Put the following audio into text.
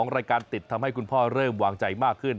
รายการติดทำให้คุณพ่อเริ่มวางใจมากขึ้น